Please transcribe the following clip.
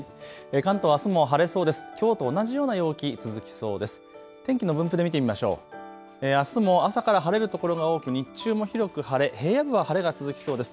関東あすも晴れそうです。